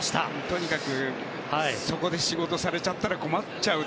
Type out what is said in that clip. とにかく、そこで仕事されちゃったら困っちゃう。